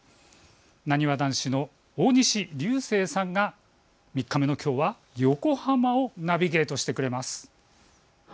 なにわ男子の大西流星さんが３日目のきょうは横浜をナビゲートしてくれます。